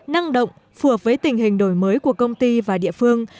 năng động phù hợp với tình hình đổi mới của công ty và địa phương